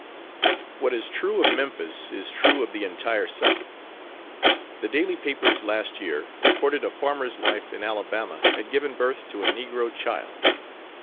What is true of Memphis is true of the entire South. The daily papers last year reported a farmer's wife in Alabama had given birth to a Negro child.